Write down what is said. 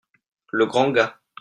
Le grand gars.